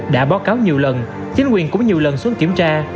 đã báo cáo nhiều lần chính quyền cũng nhiều lần xuống kiểm tra